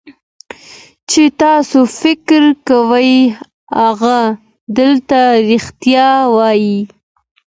چې تاسو فکر کوئ هغه درته رښتیا وایي.